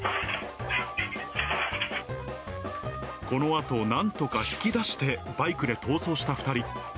このあとなんとか引き出してバイクで逃走した２人。